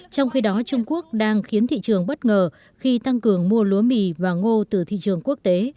trong khi đó trung quốc đang khiến thị trường bất ngờ khi tăng cường mua lúa mì và ngô từ thị trường quốc tế